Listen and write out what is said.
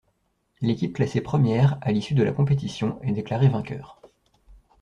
L'équipe classée première à l'issue de la compétition est déclarée vainqueur.